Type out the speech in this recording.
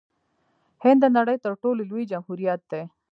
هند د نړۍ تر ټولو لوی جمهوریت دی.